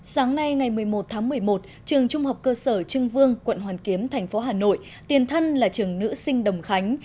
sáng nay ngày một mươi một tháng một mươi một trường trung học cơ sở trưng vương quận hoàn kiếm thành phố hà nội tiền thân là trường nữ sinh đồng khánh